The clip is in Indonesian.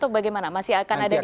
atau bagaimana masih akan ada di niko